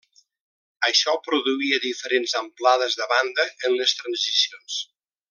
Això produïa diferents amplades de banda en les transicions.